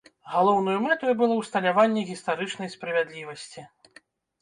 Галоўнаю мэтаю было ўсталяванне гістарычнай справядлівасці.